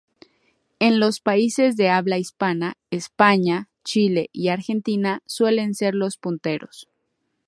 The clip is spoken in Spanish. En los países de habla hispana, España, Chile y Argentina suelen ser los punteros.